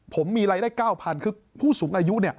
ผมมีรายได้๙๐๐คือผู้สูงอายุ